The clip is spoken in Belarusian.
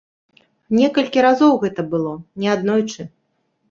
Некалькі разоў гэта было, неаднойчы.